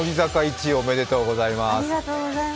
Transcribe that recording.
ありがとうございます。